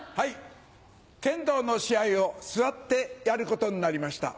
剣道の試合を座ってやることになりました。